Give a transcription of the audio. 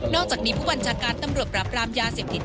อกจากนี้ผู้บัญชาการตำรวจปราบรามยาเสพติด